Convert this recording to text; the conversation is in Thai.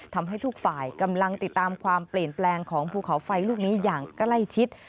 ทำให้ทุกฝ่ายกำลังติดตามความเปลี่ยนแปลงของภูเขาไฟลูกนี้อย่างใกล้ชิด